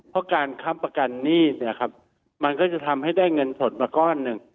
เพราะการค้ำประกันหนี้เนี่ยครับมันก็จะทำให้ได้เงินสดมาก้อนหนึ่ง